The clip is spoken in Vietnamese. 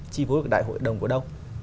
chi phối được đại hội đồng của đông